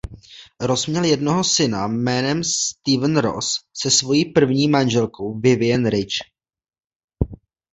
Ross měl jednoho syna jménem Steven Ross se svojí první manželkou Vivian Ridge.